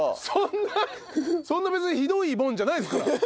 そんなそんな別にひどいもんじゃないですから。